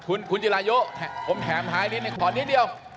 คุณจิรายุผมแถมท้ายนิดหนึ่งขอนิดเดียว